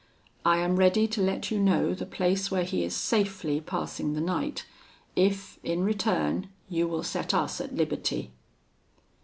I am ready to let you know the place where he is safely passing the night, if, in return, you will set us at liberty.'